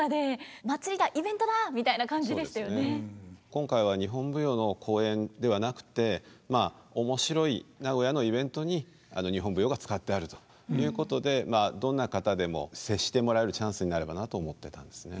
今回は日本舞踊の公演ではなくてまあ面白い名古屋のイベントに日本舞踊が使ってあるということでどんな方でも接してもらえるチャンスになればなと思ってたんですね。